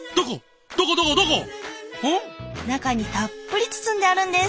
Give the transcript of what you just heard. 中にたっぷり包んであるんです。